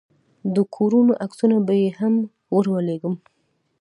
د کورونو عکسونه به يې هم ورولېږم.